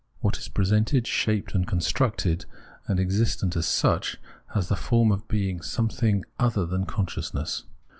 What is presented, shaped and constructed, and existent as such, has the form of being something other than consciousness.